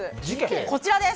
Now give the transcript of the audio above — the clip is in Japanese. こちらです。